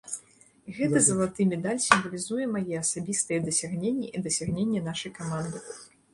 Гэты залаты медаль сімвалізуе мае асабістыя дасягненні і дасягненні нашай каманды.